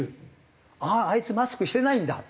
あああいつマスクしてないんだ。